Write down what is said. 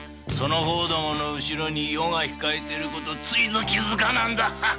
その方どもの後ろに余が控えていることについぞ気づかなんだ。